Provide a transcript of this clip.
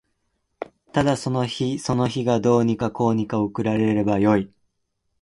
ただその日その日がどうにかこうにか送られればよい